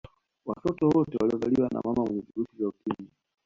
Watoto wote waliozaliwa na mama wenye virusi vya Ukimwi